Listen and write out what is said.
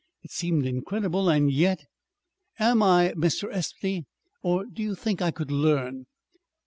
It seemed incredible. And yet "Am I, Mr. Estey? Or do you think I could learn?"